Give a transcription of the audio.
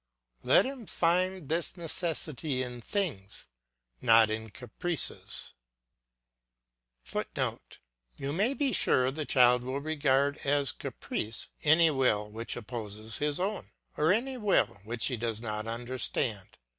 Let him find this necessity in things, not in the caprices [Footnote: You may be sure the child will regard as caprice any will which opposes his own or any will which he does not understand.